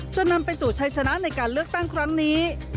นำไปสู่ชัยชนะในการเลือกตั้งครั้งนี้